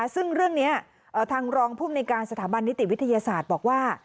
ซึ่งเรื่องนี้ทางรองภูมิในการสถาบันนิติวิทยาศาสตร์บอกว่า